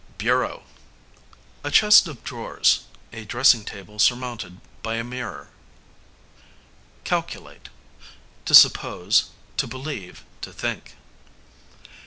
Bureau, a chest of drawers, a dressing table surmounted by a mirror. Calculate, to suppose, to believe, to think.